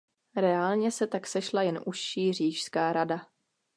Reálně se tak sešla jen užší Říšská rada.